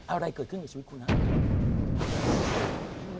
อะไรเกิดขึ้นกับชีวิตคุณครับ